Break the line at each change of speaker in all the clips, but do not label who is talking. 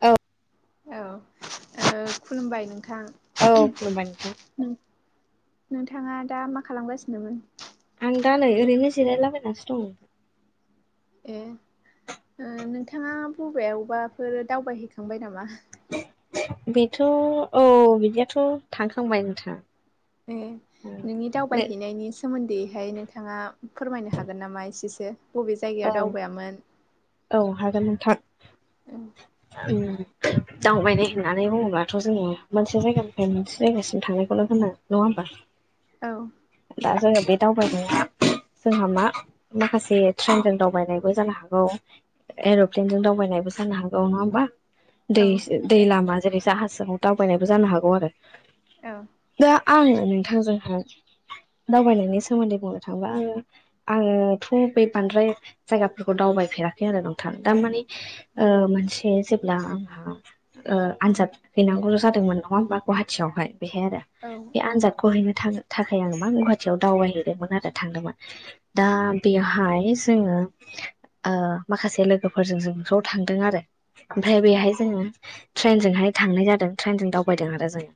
औ
औ ओ खुलुमबाय नोंथां
औ खुलुमबाय नोंथां
नोंथाङा दा मा खालामगासिनोमोन
आं दा नै ओरैनो जिरायलाबायनानैसो दं
ए ओ नोंथाङा बबेयावबाफोर दावबायहैखांबाय नामा
बेथ' औ बिदियाथ' थांखांबाय नोंथां
ए नोंनि
नै
दावबायहैनायनि सोमोन्दैहाय नोंथाङा फोरमायनो हागोन नामा एसेसो बबे
औ
जायगायाव दावबायामोन
औ हागोन नोंथां
औ
दावबायनाय होननानै बुङोब्लाथ' जोङो मोनसे जायगानिफ्राय मोनसे जायगासिम थांनायखौल' बुङो। नङा होमबा
औ
दा जोङो बे दावबायनाया जोंहा मा माखासे ट्रेनजों दावबायनायबो जानो हागौ एर'प्लेनजों दावबायनायबो जानो हागौ नङा होमबा
औ
दै दै लामा जेरै जाहासजों दावबायनायबो जानो हागौ आरो
औ
दा आङो नोंथांजोंहाय दावबायनायनि सोमोन्दै बुंनो थाङोबा आङो आङोथ' बै बांद्राय जायगाफोरखौ दावबायफेराखै आरो नोंथाङा दारमाने ओ मोनसेे दा आंहा ओ आनजाद हैनांगौल' जादोंमोन नङा होमबा गहाटियावहाय बेहाय आरो
औ
बे आनजाद खौ हैनो थाङो थाखाय आङो मा गहाटीयाव दावबायहैदोंमोन आरो थांदोंमोन दा बेयाव हाय जोङो माखासे लोगोफोरजों जों ज' थांदों आरो ओमफ्राय
औ
बेहाय जोङो ट्रेनजोंहाय थांनाय जादों ट्रेनजों दावबायदों आरो जोङो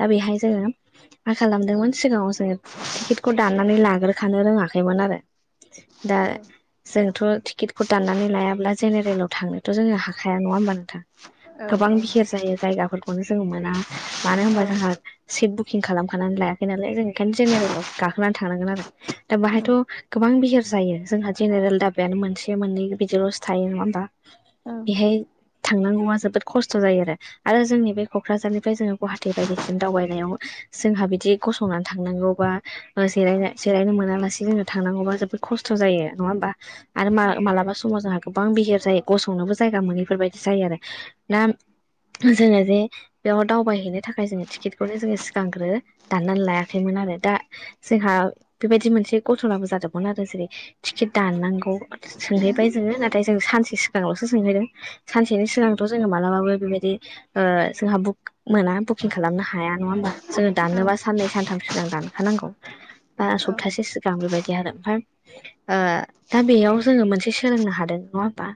दा बेहाय जोङो मा खालामदोंमोन सिगाङाव जोङो टिकेटखौ दान्नानै लाग्रोखानो रोङाखैमोन आरो दा जोंथ' टिकिटखौ दाननानै लायाब्ला जेनेरेलाव थांनोथ' जोङो हाखाया नङा होमबा नोंथां
औ
गोबां बिहिर जायो जायगाफोरखौनो जों मोना मानो होनबा जोंहा सिट बुकिं खालामखानानै लायाखै नालाय जों ओंखायनो जेनेरेलाव गाखोनानै थांनांगोन आरो दा बाहायथ' गोबां बिहिर जायो जोंहा जेनेरेल दाबायानो मोनसे मोननै बिदिल'सो थायो नङा होनबा बेहाय थांनांगौआ जोबोद खस्थ' जायो आरो आरो जोंनि बे कक्राझारनिफ्राय जोङो गहाटि बायदिसिम दावबायनायाव जोंहा बिदि गसंनानै थांनांगौबा जि-जिरायनो मोनालासे जोंनो थांनांगौबा जोबोद खस्थ' जायो नङा होमबा आरो मा-मालाबा समाव जोंहा गोबां बिहिर जायो गसंनोबो जायगा मोनैफोर बायदि जायो आरो ना जोङो जे बेयाव दावबायहैनो थाखाय जोङो टिकिटखौनो जोङो सिगांग्रो दाननानै लायाखैमोन आरो दा जोंहा बेबायदि मोनसे गतनाबो जादोंमोन आरो जेरै टिकिट दाननांगौ सोंहैबाय जोङो नाथाय जों सानसे सिगांल'सो सोंहैदों सानसेनि सिगांथ' जोङो मालाबाबो बेबायदि ओ जोंहा बुक मोना बुकिं खालामनो हाया नङा होमबा जोङो दाननोबा साननै सानथाम सिगां दानखानांगौ बा सप्तासे सिगां बेबायदि आरो आमफाय ओ दा बेयाव जोङो मोनसे सोलोंनो हादों नङा होमबा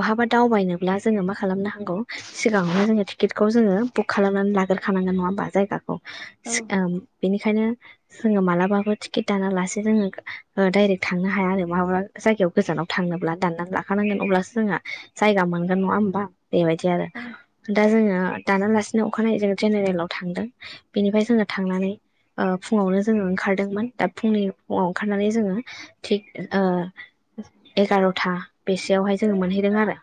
बहाबा दावबायनोब्ला जोङो मा खालामनो हांगौ सिगाङावनो जोङो टिकिटखौ जोङो बुक खालामनानै लाग्रोखानांगोन नङा होमबा जायगाखौ ओ बेनिखायनो जोङो मालाबाबो टिकिट दाना लासे जोङो डाइरेक थांनो हाया आरो माहाबा जायगायाव गोजानाव थांनोब्ला दाननानै लाखानांगोन अब्लासो जोंहा जायगा मोनगोन नङा होमबा बेबायदि आरो दा जोङो दानालासिनो अखानायै जों जेनेरेलाव थांदों बेनिफ्राय जोङो थांनानै ओ फुुङावनो जोङो ओंखारदोंमोन दा फुंनि फुङाव ओंखारनानै जोङो। थिग ओ एगारथा बेसेयावहाय जोङो मोनहैदों आरो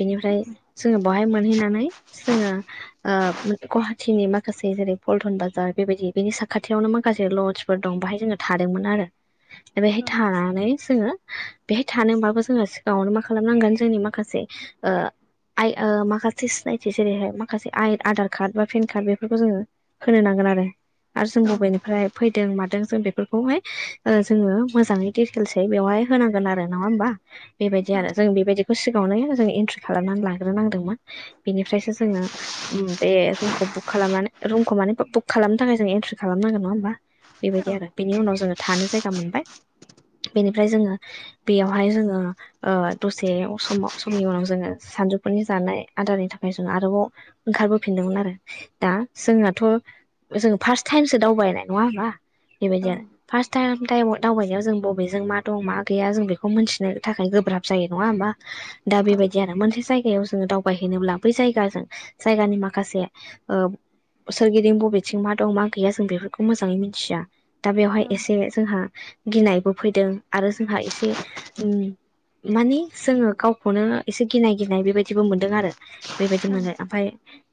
बिनिफ्राय जोङो बवहाय मोनहैनानै जोङो ओ गुवाहाटिनि माखासे जेरै पल्टन बाजार बेबायदि बेनि साखाथियावनो माखासे लज। फोर दं बाहाय जोङो थादोंमोन आरो
[inaudible]
बेहाय थानानै जोङो बेहाय थानोबाबो जोङो सिगाङावनो मा खालामनांगोन जोंनि माखासे ओ आइ माखासे सिनायथि जेरैहाय माखासे आधार कार्ड बा पेन कार्ड बेफोरखौ जोङो होनो नांगोन आरो आरो जों बबेनिफ्राय फैदों मादों जों बेफोरखौहाय ओ जोङो मोजाङै दिटेलसै बेवहाय होनांगोन आरो नङा होमबा बेबायदि आरो जों बेबायदि बे सिगाङावनो जों एन्ट्रि खालामनानै लाग्रोनांदोंमोन बेनिफ्रायसो जोङो उम बे रुमखौ बुक खालामनानै। रुमखौ माने बुक खालामनो थाखाय जों एन्ट्रि खालामनांगोन नङा होमबा बेबायदि आरो बिनि उनाव जोङो थानो जायगा मोनबाय बेनिफ्राय जोङो बेयावहाय जोङो। ओ दसे समाव समनि उनाव जोङो सानजौफुनि जानाय आदारनि थाखाय जों आरोबाव ओंखारबोफिनदोंमोन आरो दा जोंनाथ जों फार्स्ट टाइमसो दावबायनाय नङा होमबा? बेबायदि आरो फारस टायेम टायेमाव दावबायनायाव जों बबेजों मा दं मा गैया जों बेखौ मोनथिनो थाखाय गोब्राब जायो नङा होमबा? दा बेबायदि आरो मोनसे जायगायाव जोङो दाव। बाहायहैनोब्ला बै जायगाजों जायगानि माखासे ओ सोरगिदिं बबेथिं मा दं मा गैया जों बेफोरखौ मोजाङै मिथिया दा बेवहाय एसे जोंहा गिनायबो फैदों आरो जोंहा एसे उम मानि जोङो गावखौनो एसे गिनाय गिनाय बेबायदि दिबो मोनदों आरो बेबायदि मोनो ओमफाय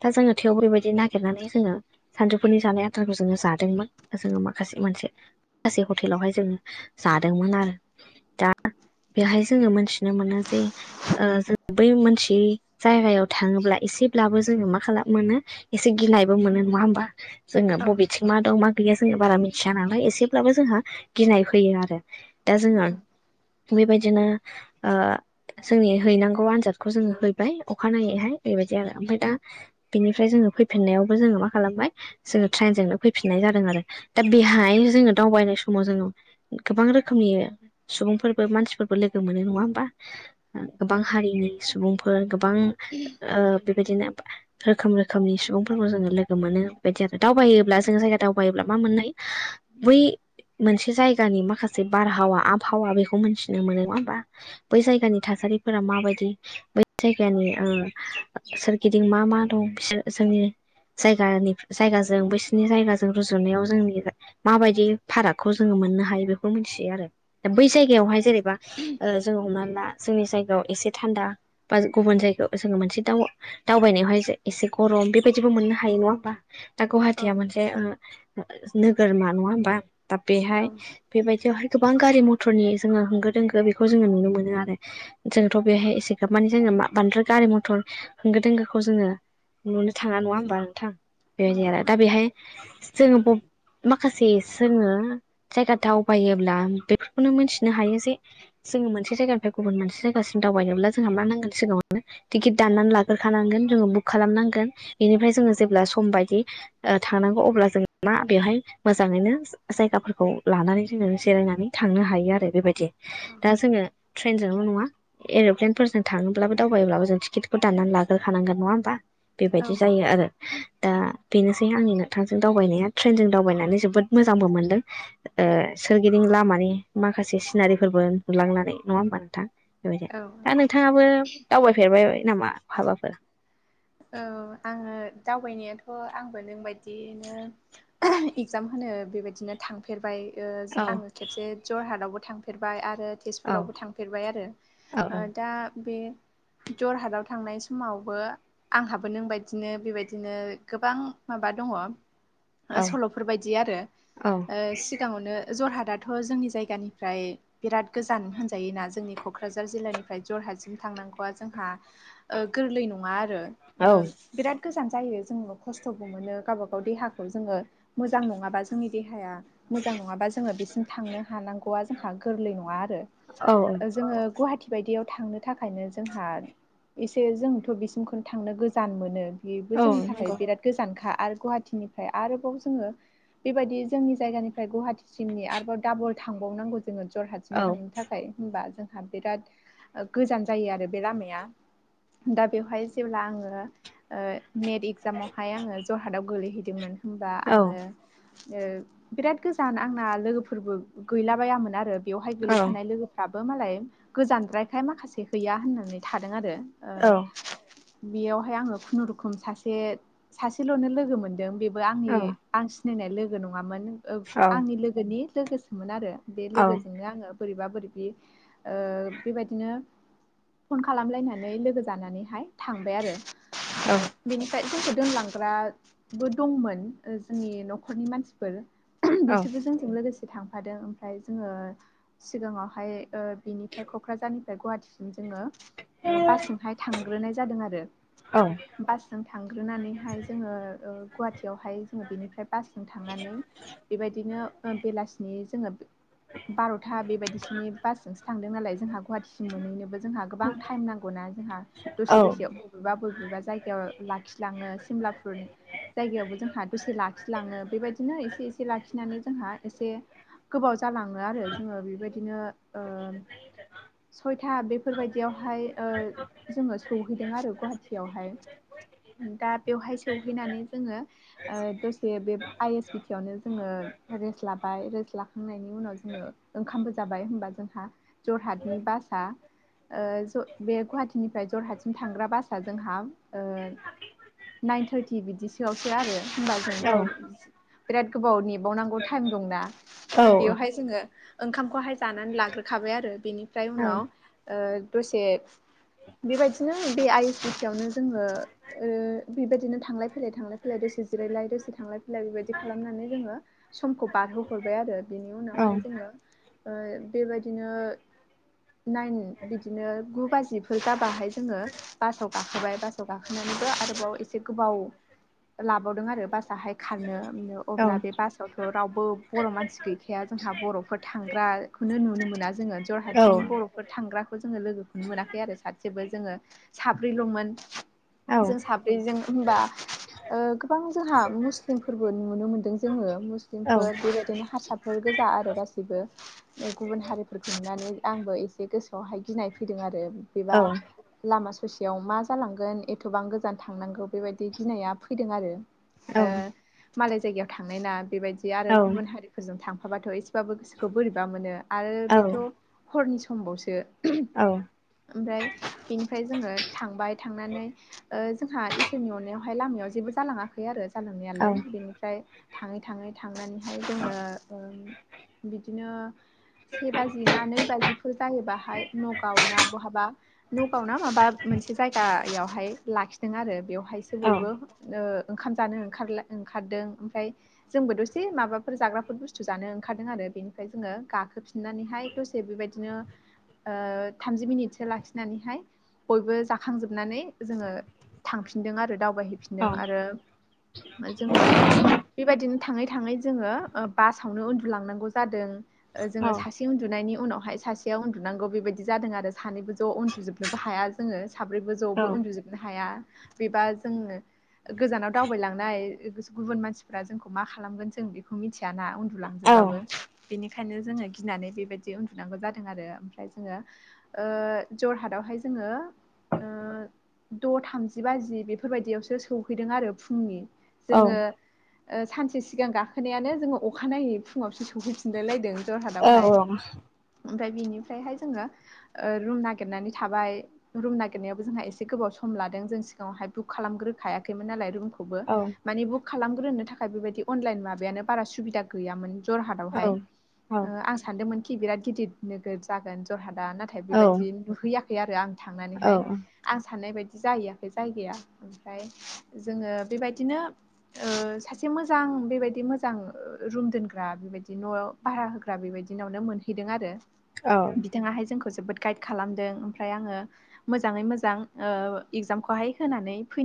दा जोङो थेवबो बेबायदि नागिरनानै जोङो सानजौफुनि जानाय आद्रारखौ जोङो जादोंमोन जोङो माखासे मोनसे माखासे हटेलावहाय जोङो जादोंमोन आरो दा बेहाय जोङो मोनथिनो मोनो जे। ओ जों बै मोनसे जायगायाव थाङोब्ला एसेब्लाबो जोङो मा खालाम मोनो। एसे गिनायबो मोनो नङा होमबा? जोङो बबेथिं मा दं मा गैया जोङो बारा मिथिया नालाय एसेब्लाबो जोंहा गिनाय फै फैयो आरो दा जोङा बेबायदिनो ओ जोंनि हैनांगौ आनजादखौ जोङो हैबाय अखानायैहाय बेबायदि आरो ओमफ्राय दा। बिनिफ्राय जोङो फैफिननायावबो जोङो मा खालामबाय जोङो ट्रेनजोंनो फैफिननाय जादों आरो दा बेहाय जोङो दावबायनाय समाव जोङो गोबां रोखोमनि सुबुंफोरबो मानसिफोरबो लोगो मोनो नङा होमबा?
औ
गोबां हारिनि सुबुंफोर गोबां ओ बेबायदिनो रोखोम रोखोमनि सुबुंफोरखौ जोङो लोगो मोनो बेदि आरो दावबायोब्ला जों जायगा दावबायोब्ला मा मोननाय। बै मोनसे जायगानि माखासे बारहावा आबहावा बेखौ मिथिनो मोनो नङा होमबा। बै जायगानि थासारिफोरा माबायदि बै जायगानिओ सोर गिदिं मा मा दं बिसो जोंनि जायगानि जायगाजों बैसोरनि जायगाजों रुजुनायाव जोंनि माबायदि फारागखौ जोङो मोननो हा हायो बेखौ मोनथियो आरो दा बै जायगायावहाय जेनेबा जोङो हमनानैला जोंनि जायगायाव एसे थान्दा बा गुबुन जायगायाव जोङो मोनसे दाउ दावबायनायावहाय एसे गरम बेबायदिबो मोननो हायो नङा होमबा? दा
औ
गुवाहाटिया मोनसे ओ नोगोरमा नङा होमबा दा
औ
बेहाय बेबायदियावहाय गोबां गारि मथरनि जोङो होंगो दोंगो बेखौ जोङो नुनो मोनो आरो जोंथ बेहाय एसेखाब माने जोङो बांद्राय गारि मथर होंगो दोंगोखौ जोङो नुनो थाङा नङा होमबा नोंथां
औ
बेबायदि आरो दा बेहाय जोङो माखासे जोङो जायगा। दावबायोब्ला बेफोरखौनो मोनथिनो हायो जे जोङो मोनसे जायगानिफ्राय गुबुन मोनसे जायगासिम दावबायनोब्ला जोंहा मा नांगोन सिगाङावनो टिकेट दाननानै लाग्रोखानांगोन जोङो बुक खालामनांगोन बेनिफ्राय जोङो जेब्ला सम बायदि थांनांगौ अब्ला जों मा बेवहाय मोजाङैनो जायगाफोरखौ लानानै जोङो जिरायनानै थांनो हायो आरो बेबायदि दा
औ
जोङो ट्रेनजोंल नङा। एरप्लेनफोरजों थाङोब्लाबो दावबायोब्लाबो जों टिकेटखौ दाननानै लाग्रोखानांगोन नङा होमबा? बेबायदि जायो आरो दा बेनोसै आंनि नोंथांजों दावबायनाया ट्रेनजों दावबायनानै जोबोद मोजांबो मोनदों ओ सोरगिदिं लामानि माखासे सिनारिफोरबो नुलांनानै नङा होमबा नोंथां। बेबायदि
औ
दा नोंथाङाबो दावबायफेरबाय नामा हाबाफोर
औ आङो दावबायनायाथ' आंबो नोंबायायदिनो एगजाम होनो बेबायदिनो थांफेरबाय ओ
औ
आङो खेबसे जरहाटावबो थांफेरबाय आरो।
औ
तेजपुरावबो थांफेरबाय आरो
औ
दा बे जरहाटाव थांनाय समावबो आंहाबो नोंबायदिनो बेबायदिनो गोबां माबा दङ। सल'फोरबायादि आरो
औ
सिगाङावनो जरहाटाथ' जोंनि जायगानिफ्राय। बिराद गोजान होनजायोना जोंनि क'क्राझार जिल्लानिफ्राय जरहाटसिम थांनांगौआ जोंहा। गोरलै नङा आरो।
औ
बिराद गोजान जायो जोंङो खस्थ'बो मोनो गावबा गाव देहाखौ जोंङो। मोजां नङाबा जोंनि देहाया मोजां नङाबा जोंङो बेसिम थांनो हानांगौआ जोंहा गोरलै नङा आरो।
औ
जोंङो गुवाहाटि। बिबायदियाव थांनो थाखायनो जोंहा एसे जोंथ' बिसिमखौनो थांनो गोजान मोनो बेबो
औ
जोंनि थाखाय
नंगौ
बिराद गोजानखा आरो गुवाहाटिनिफ्राय आरोबाव जोङो बेबायदि जोंनि जायगानिफ्राय गुवाहाटिसिमनि आरोबाव दाबल थांबावनांगौ जोंङो जरहा। जों
औ
थांनो थाखाय होनबा जों। हाब बिराद गोजान जायो आरो बे लामाया दा बेवहाय जेब्ला आङो नेट एगजामावहाय आङो जरहाटाव गोलैहैदोंमोन होमबा
नंगौ
आङो। बिराद गोजान आंना लोगोफोरबो गैलाबायामोन आरो। बेवहाय
औ
गोलैफानाय लोगोफ्राबो मालाय गोजानद्रायखाय माखासे गैया होननानै थादों आरो।
औ
ओ बेयावहाय आङो खुनुरुखुम सासे सासेल'नो लोगो मोनदों बेबो आंनि
औ
आं। सिनायनाय लोगो नङामोन आंनि लोगोनि लोगोसोमोन आरो बे
औ
लोगोजोंनो आंङो। बोरैबा बोरैब बेबायदिनो। फन खालामलायनानै लोगो जानानैहाय थांबाय आरो। बेनिफ्राय जोंखौ दोनलांग्राबो दंमोन जोंनि न'खरनि मानसिफोर। बिसोरबो जोंजों लोगोसे थांफादों ओमफ्राय जोंङो। सिगाङावहाय बिनिफ्राय क'क्राझारनिफ्राय गुवाहाटिसिम जोङो बासजोंहाय थांग्रोनाय जादों आरो‌।
औ।
बासजों थांग्रोनानैहाय जोङो गुवाहाटियावहाय जोङो बेनिफ्राय बास जों थांनानै बेबायदिनो बेलासिनि जोङो बार'था बेबायदिसोनि बासजोंसो थांदों नालाय जोंहा गुवाहाटिसिम मोनहैनोबो। जोंहा गोबां थायम नांगौ ना जों दसे दसे। बबेबा बबेबा जायगायाव लाखिलाङो सिमलाफोर। जायगायावबो जोंहा दसे लाखिलाङो बेबायदिनो एसे एसे लाखिनानै जोंहा एसे। गोबाव जालाङो आरो जोंङो बेबायदिनो। सयथा बेफोरबायदियावहाय ओ जोङो सहैदों आरो गुवाहाटियावहाय दा बेवहाय सहैनानै जोङो ओ दसे बे आइ एस बि टि आवनो जोङो रेस्ट लाबाय रेस्ट लाखांनायनि उनाव जोङो ओंखामबो जाबाय होमबा जोंहा जरहाटनि बासआ ओ ज बे गुवाहाटी निफ्राय जरहाटसिम थांग्रा बासआ जोंहा नाइन थारटि बिदिसोआवसो आरो होबा
औ
जोंथ'। बिराद गोबाव नेबावनांगौ थाइम दंना
औ
बेवहाय जोंङो ओंखामखौहाय। जानानै लाग्रोखाबाय आरो बेनिफ्राय
औ
उनाव दसे। बेबायदिनो बे आइ एस आवनो जोंङो। बेबायदिनो थांलाय फैलाय थांलाय फैलाय दसे जिरायलाय दसे थांलायाय लोगो बायदि खालामनानै जोंङो समखौ बारहोहरबाय आरो बिनि
औ
उनावहाय जोङो ओ बेबायदिनो नाइन बिदिनो गु बाजि जाबाहाय जोङो बासाव गाखोबाय बासाव गाखोनानैबो आरोबाव एसे गोबाव लाबावदों आरो बासाहाय खारनो अब्ला बे बास आवथ' रावबो बर' मानसि गैखाया जोंहा बर'फोर थांग्राखौनो नुनो मोना जोङो जरहाट
औ
थिं बर'फोर थांग्राखौ जोङो लोगोखौनो मोनाखै आरो सासेबो जोङो साब्रैल'मोन
औ
जों साब्रैजों होमबा ओ गोबां जोंहा मुस्लिमफोरबो नुनो मोनदों जोङो
औ
मुस्लिमफोर बेबाय दिनो हारसाफोर गोजा आरो गासिबो ओ गुबुन हारिफोरखौ नुनानै आंबो एसे गोसोआवहाय गिनाय फैदों आरो बेबा लामा ससेयाव मा जालांगोन एथ'बां गोजान थांनांगौ बेबायदि गिनाया फैदों आरो ओ मालाय जायगायाव थांनाय ना बेबायदि आरो गुबुन हारि फोरजों थांफाबाथ' एसेबाबो गोसोखौ बोरैबा मोनो आरो बेथ' हरनि समबावसो
औ
ओमफ्राय बिनिफ्राय जोङो थांबाय थांनानै ओ जोंहा इसोरनि अननायावहाय लामायाव जेबो जालाङाखै आरो जालांनायालाय बेनिफ्राय थाङै थाङै थांनानैहाय जोङो ओ बिदिनो से बाजि ना नै बाजिफोर जायो बाहाय नगाव ना बहाबा नगाव ना माबा मोनसे जायगायावहाय लाखिदों आरो बेवहायसो बयबो ओ ओंखाम जानो ओंखारला ओंखारदों ओमफ्राय जोंबो दसे माबाफोर जाग्राफोर बुस्थु जानो ओंखारदों आरो बेनिफ्राय जोङो गाखोफि नानैहाय दसे बेबायदिनो ओ थामजि मिनिट सो लाखिनानैहाय बयबो जाखांजोबनानै जोङो थांफिनदों आरो दावबायहै फिनदों आरो जोङो बेबायदिनो थाङै थाङै जोङो बासावनो उन्दुलांनांगौ जादों ओ जोङो सासे उन्दुनायनि उनावहाय सासेयाव उन्दनांगौ बेबायदि जादों आरो सानैबो ज' उन्दुजोबनोबो हाया जोङो साब्रैबो ज'बो उन्दुजोब नोहाया बेबा जोङो गोजानाव दावबायलांनाय गुबुन मानसिफ्रा जोंखौ मा खालामगोन जों एखौ मिथियाना उन्दुलांजोबबाबो बेनिखायनो जोङो गिनानै बेबायदि उन्दुनांगौ जादों आरो ओमफ्राय जोङो ओ जरहाटावहाय जोङो ओ द' थामजि बाजि बेफोरबायदियावसो सौहैदों आरो फुंनि जोङो ओ सानसे सिगां गाखोनायानो जोङो अखानायै फुङावसो सौहैफिनलाय लायदों जरहाटावहाय ओमफ्राय बिनिफ्रायहाय जोङो रुम नागिरनानै थाबाय। रुम नागिरनायावबो जोंहा एसे गोबाव सम लादों जों सिगाङावहाय बुक खालामग्रोखायाखैमोन नालाय रुम खौबो माने बुक खालामग्रोनो थाखाय बेबायदि अनलाइन माबायानो बारा सुबिदा गैयामोन जरहाटावहाय ओ
औ
आं सानदोंमोन कि बिराद गिदिर नोगोर जागोन जरहाटा ना ओ बेबायदि नुहैयाखै आरो आं
औ
थांनानैहाय आं साननाय बायदि जाहैयाखै जायगाया ओमफ्राय जोङो बेबायदिनो ओ सासे मोजां बेबायदि मोजां रुम दोनग्रा बेबायदि न'आव भारा होग्रा बेबायदिनावनो मोनहैदों आरो।
औ
बिथाङाहाय जोंखौ जोबोद गाइद खालामदों ओमफ्राय आङो मोजाङै मोजां ओ इगजामखौहाय होनानै फैदों।